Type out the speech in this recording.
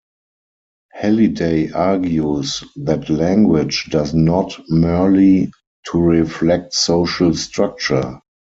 Halliday argues that language does not merely to reflect social structure.